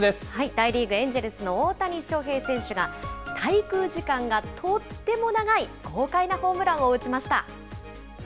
大リーグ・エンジェルスの大谷翔平選手が、滞空時間がとっても長い豪快なホームランを打ちました。